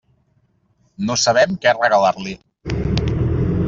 No sabem què regalar-li.